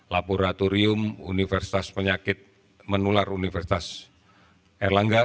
laboratorium universitas penyakit menular universitas erlangga